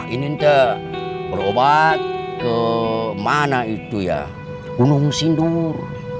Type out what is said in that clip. inim berobat ke gunung sindur